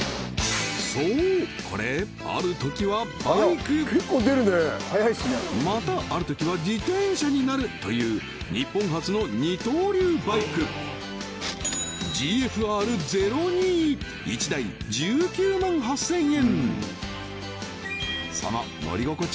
そうこれある時はバイクまたある時は自転車になるという日本初の二刀流バイクＧＦＲ−０２１台１９万８０００円